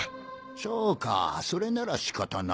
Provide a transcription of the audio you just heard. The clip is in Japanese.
そうかそれなら仕方ない。